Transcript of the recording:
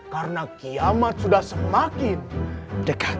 karena kiamat sudah semakin dekat